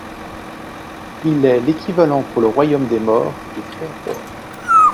Il est l´équivalent pour le royaume des morts du Créateur.